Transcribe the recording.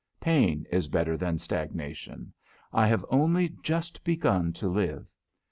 Pain is better than stagnation. I have only just begun to live.